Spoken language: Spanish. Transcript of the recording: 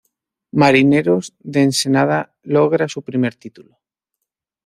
Marineros de Ensenada logra su primer titulo.